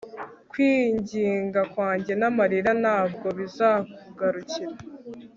kwinginga kwanjye n'amarira ntabwo bizakugarukira